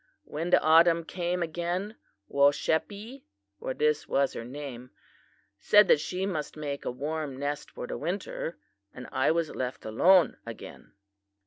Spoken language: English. When the autumn came again Woshepee, for this was her name, said that she must make a warm nest for the winter, and I was left alone again.